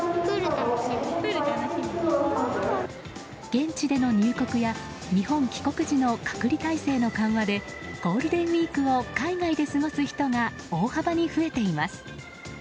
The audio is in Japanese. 現地での入国や日本帰国時の隔離体制の緩和でゴールデンウィークを海外で過ごす人が大幅に増えています。